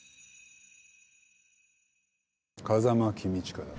「風間公親だ」